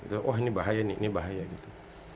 wah ini bahaya nih ini bahaya gitu